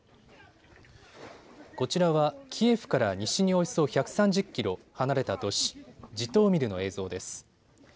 こちらはキエフから西におよそ１３０キロ離れた都市、ジトーミルの映像です。